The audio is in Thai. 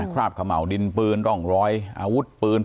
คราบขะเหมาดินปืนร่องร้อยอาวุธปืน